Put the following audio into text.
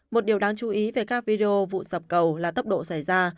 một điều đáng chú ý về các video vụ sập cầu là tốc độ xảy ra